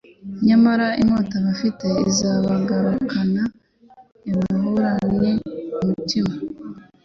Nyamara inkota bafite izabagarukana ibahuranye umutima